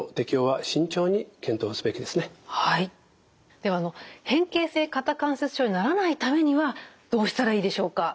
では変形性肩関節症にならないためにはどうしたらいいでしょうか？